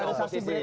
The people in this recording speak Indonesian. ini bahkan oposisi